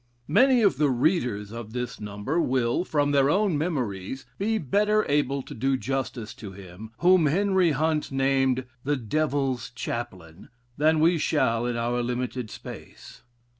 Many of the readers of this number will, from their own memories, be better able to do justice to him, whom Henry Hunt named "The Devil's Chaplain," than we shall in our limited space.